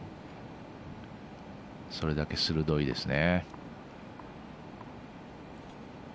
それだけ鋭いですね。